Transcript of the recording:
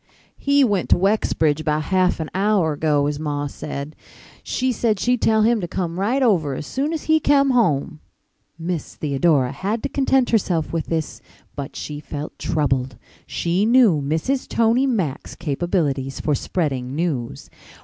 "He went to Wexbridge about half an hour ago, his ma said. She said she'd tell him to come right over as soon as he kem home." Mrs. Theodora had to content herself with this, but she felt troubled. She knew Mrs. Tony Mack's capabilities for spreading news.